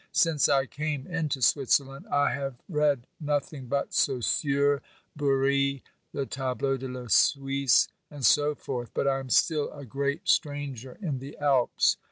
Since I came into Switzerland, I have read nothing but Saussure, Bourrit, the Tableau de la Suisse and so forth, but I am still a great stranger in the Alps.